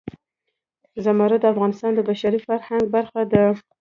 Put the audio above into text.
زمرد د افغانستان د بشري فرهنګ برخه ده.